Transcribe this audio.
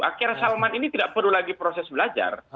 rakyat salman ini tidak perlu lagi proses belajar